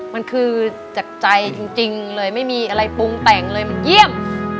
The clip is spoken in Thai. มันคือจากใจจริงเลยไม่มีอะไรปรุงแต่งเลยมันเยี่ยม